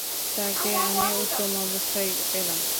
তাকে আমি উত্তম অবস্থায় পেলাম।